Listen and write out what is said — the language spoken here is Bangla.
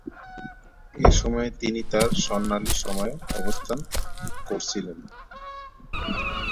এ সময়ে তিনি তার স্বর্ণালী সময়ে অবস্থান করছিলেন।